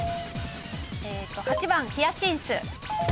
８番ヒヤシンス。